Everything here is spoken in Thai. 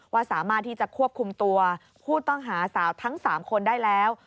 ว่าสามารถที่จะควบคุมตัวผู้ต้องหาสาวทั้ง๓คนได้แล้ว